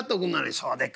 「そうでっか。